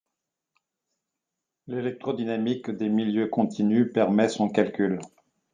L'électrodynamique des milieux continus permet son calcul.